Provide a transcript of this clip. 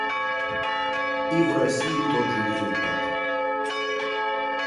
Устав также призывает государства-члены Организации Объединенных Наций.